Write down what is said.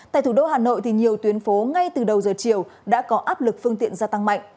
tại thủ đô hà nội nhiều tuyến phố ngay từ đầu giờ chiều đã có áp lực phương tiện gia tăng mạnh